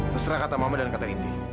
terserah kata mama dan kata indi